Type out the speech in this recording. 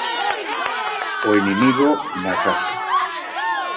O inimigo na casa.